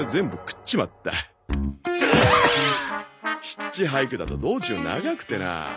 ヒッチハイクだと道中長くてなあ。